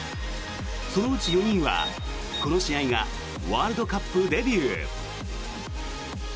そのうち４人は、この試合がワールドカップデビュー。